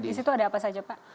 di situ ada apa saja pak